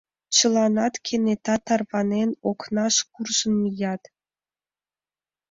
Чыланат, кенета тарванен, окнаш куржын мият.